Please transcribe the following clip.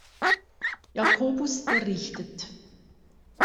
Jakobus errichtet.